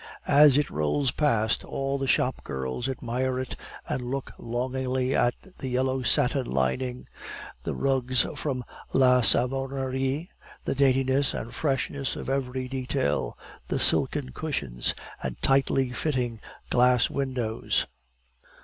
As it rolls past, all the shop girls admire it, and look longingly at the yellow satin lining, the rugs from la Savonnerie, the daintiness and freshness of every detail, the silken cushions and tightly fitting glass windows.